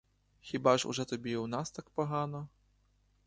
Хіба ж уже тобі у нас так погано?